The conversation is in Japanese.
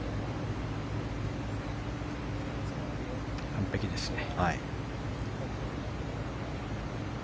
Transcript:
完璧ですね。